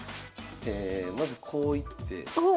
まずこう行っておおっ。